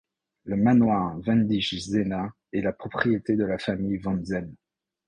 Le manoir de Wendisch Zehna est la propriété de la famille von Zehne.